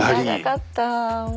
長かった。